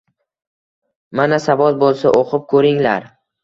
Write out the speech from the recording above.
Mana, savod bo’lsa, o’qib ko’ringlar